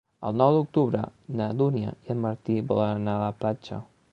El nou d'octubre na Dúnia i en Martí volen anar a la platja.